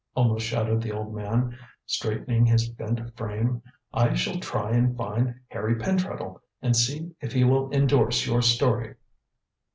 almost shouted the old man, straightening his bent frame. "I shall try and find Harry Pentreddle and see if he will endorse your story."